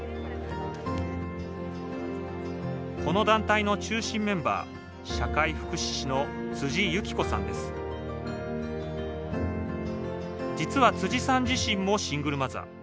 この団体の中心メンバー実はさん自身もシングルマザー。